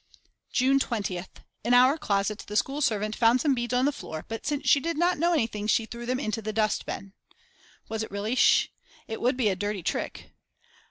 June 20th. In our closet the school servant found some beads on the floor but since she did not know anything she threw them into the dustbin. Was it really Sch.? It would be a dirty trick.